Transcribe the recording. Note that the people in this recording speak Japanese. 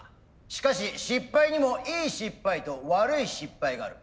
しかし失敗にもいい失敗と悪い失敗がある。